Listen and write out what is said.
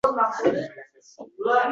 Uzr, bu ishni qila olmayman.